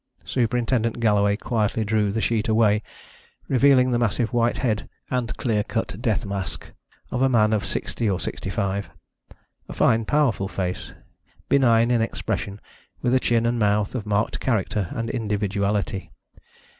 Superintendent Galloway quietly drew the sheet away, revealing the massive white head and clear cut death mask of a man of sixty or sixty five; a fine powerful face, benign in expression, with a chin and mouth of marked character and individuality.